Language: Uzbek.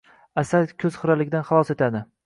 Asal ko‘z xiraligidan xalos etadi.